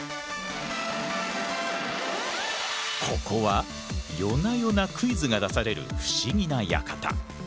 ここは夜な夜なクイズが出される不思議な館。